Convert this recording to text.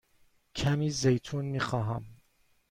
کمی زیتون می خواهم.